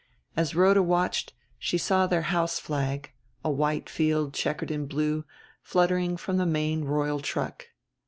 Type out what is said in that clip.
As Rhoda watched she saw their house flag a white field checkered in blue fluttering from the main royal truck.